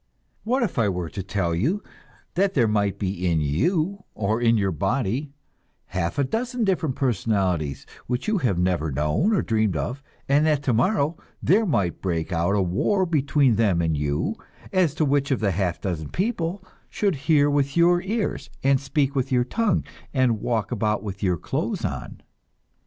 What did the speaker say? What if I were to tell you that there might be in "you," or in your body, half a dozen different personalities which you have never known or dreamed of, and that tomorrow there might break out a war between them and "you," as to which of the half dozen people should hear with your ears and speak with your tongue and walk about with your clothes on?